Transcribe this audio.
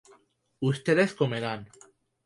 ustedes comerán